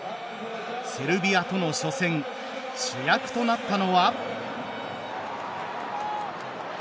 セルビアとの初戦主役となったのは。